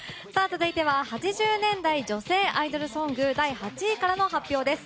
続いては８０年代女性アイドルソング第８位からの発表です。